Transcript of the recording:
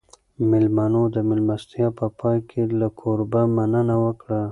مېلمنو د مېلمستیا په پای کې له کوربه مننه وکړه.